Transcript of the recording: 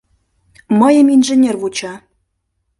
Мыйым инженер вуча.